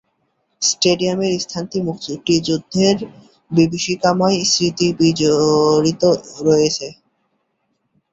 স্টেডিয়ামের স্থানটি মুক্তিযুদ্ধের বিভীষিকাময় স্মৃতি বিজড়িত রয়েছে।